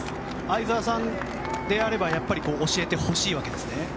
相澤さんであれば教えてほしいわけですね。